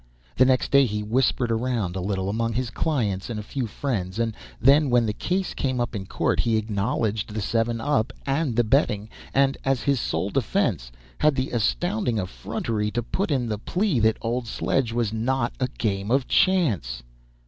The next day he whispered around a little among his clients and a few friends, and then when the case came up in court he acknowledged the seven up and the betting, and, as his sole defense, had the astounding effrontery to put in the plea that old sledge was not a game of chance!